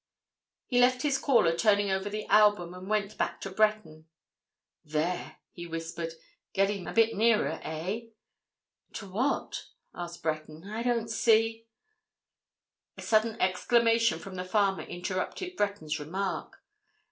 He left his caller turning over the album and went back to Breton. "There!" he whispered. "Getting nearer—a bit nearer—eh?" "To what?" asked Breton. "I don't see—" A sudden exclamation from the farmer interrupted Breton's remark.